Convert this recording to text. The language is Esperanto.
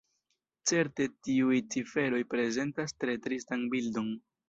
Certe tiuj ciferoj prezentas tre tristan bildon.